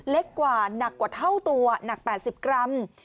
เล็กกว่าหนักกว่าเท่าตัวหนัก๘๐กรัม